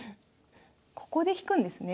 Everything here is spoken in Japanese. ここで引くんですね。